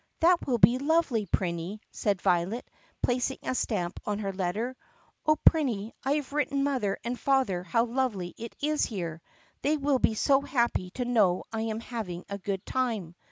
"That will be lovely, Prinny," said Violet placing a stamp on her letter. "O Prinny, I have written mother and father how lovely it is here ! They will be so happy to know I am having a good time!"